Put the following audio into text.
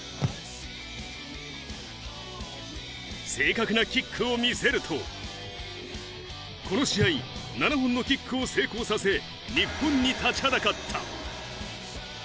正確なキックを見せると、この試合、７本のキックを成功させ、日本に立ちはだかった。